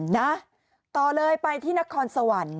นะต่อเลยไปที่นครสวรรค์